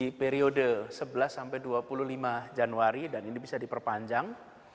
di periode sebelas sampai dua puluh lima januari dan ini bisa diperpanjang